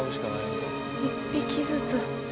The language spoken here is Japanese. １匹ずつ。